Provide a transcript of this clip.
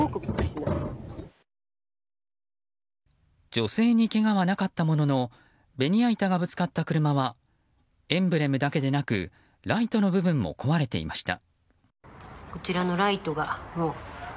女性にけがはなかったもののベニヤ板がぶつかった車はエンブレムだけでなくライトの部分も壊れていました。